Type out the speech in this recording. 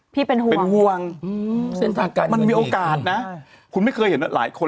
พี่เป็นห่วงอืมมันมีโอกาสนะคุณไม่เคยเห็นว่าหลายคน